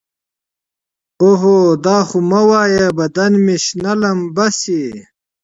اوهو دا خو مه وايه بدن مې شنه لمبه شي.